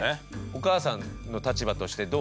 お母さんの立場としてどう？